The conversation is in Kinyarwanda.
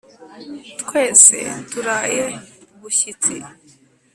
twese turaye bushyitsi